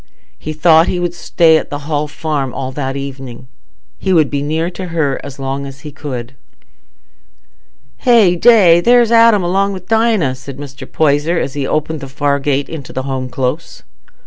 He thought he would stay at the Hall Farm all that evening. He would be near her as long as he could. "Hey day! There's Adam along wi' Dinah," said Mr. Poyser, as he opened the far gate into the Home Close.